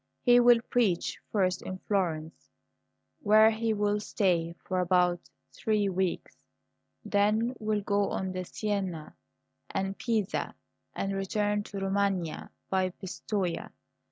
He will preach first in Florence, where he will stay for about three weeks; then will go on to Siena and Pisa, and return to the Romagna by Pistoja.